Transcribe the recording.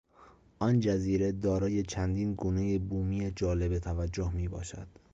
آن جزیره دارای چندین گونهی بومی جالب توجه می باشد.